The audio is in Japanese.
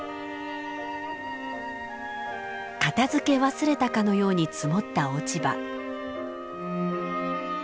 片づけ忘れたかのように積もった落ち葉。